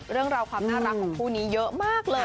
เรื่องราวความน่ารักของคู่นี้เยอะมากเลย